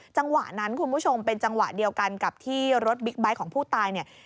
จังหวะนั้นคุณผู้ชมเป็นจังหวะเดียวกันกับที่รถบิ๊กไบท์ของผู้ตายเนี่ย